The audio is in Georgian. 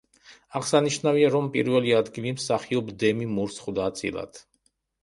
აღსანიშნავია, რომ პირველი ადგილი მსახიობ დემი მურს ხვდა წილად.